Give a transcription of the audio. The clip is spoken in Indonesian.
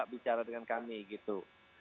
bicara dengan kami gitu